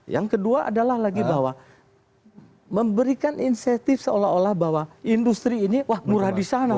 yang kedua adalah lagi bahwa memberikan insentif seolah olah bahwa industri ini wah murah di sana